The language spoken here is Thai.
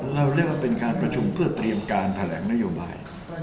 เรียกว่าเป็นการประชุมเพื่อเตรียมการแถลงนโยบาย